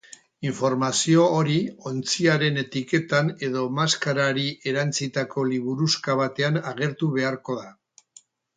Informazio hori ontziaren etiketan edo maskarari erantsitako liburuxka batean agertu beharko da.